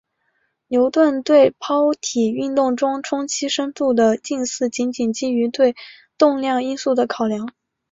牛顿对抛体运动中冲击深度的近似仅仅基于对动量因素的考量。